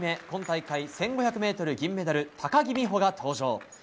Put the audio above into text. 今大会１５００ｍ銀メダル高木美帆が登場。